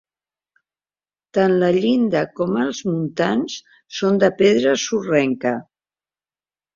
Tant la llinda com els muntants són de pedra sorrenca.